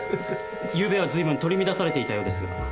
ゆうべはずいぶん取り乱されていたようですが。